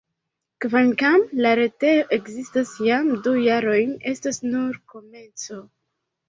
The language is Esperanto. Kvankam la retejo ekzistas jam du jarojn, estas nur komenco.